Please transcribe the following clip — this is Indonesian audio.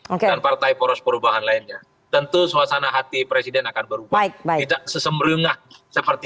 oleh poros perubahan lainnya tentu suasana hati presiden akan berubah tidak sesembrungah seperti